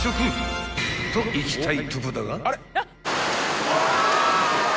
［といきたいとこだが］